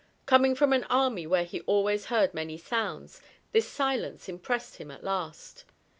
Coming from an army where he always heard many sounds, this silence impressed him at last.